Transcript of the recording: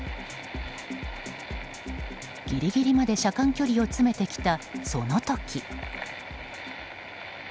ギリギリまで車間距離を詰めてきたその時。